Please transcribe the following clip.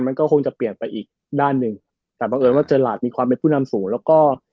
มันก็คงจะเปลี่ยนไปอีกด้านหนึ่งแต่บังเอิญว่าเจอราชมีความเป็นผู้นำสูงแล้วก็